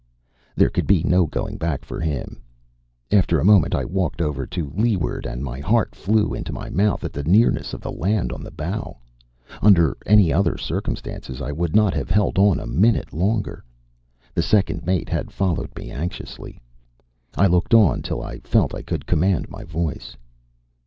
There could be no going back for him. After a moment I walked over to leeward and my heart flew into my mouth at the nearness of the land on the bow. Under any other circumstances I would not have held on a minute longer. The second mate had followed me anxiously. I looked on till I felt I could command my voice.